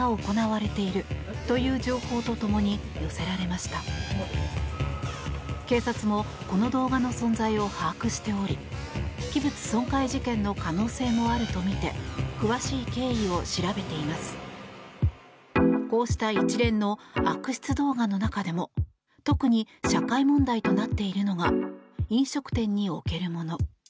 こうした一連の悪質動画の中でも特に社会問題となっているのが飲食店におけるもの。